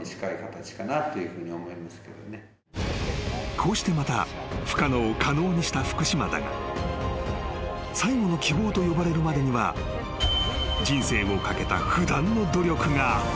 ［こうしてまた不可能を可能にした福島だが最後の希望と呼ばれるまでには人生を懸けた不断の努力があった］